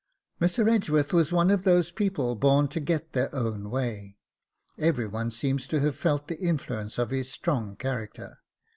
Mr. Edgeworth was one of those people born to get their own way. Every one seems to have felt the influence of his strong character.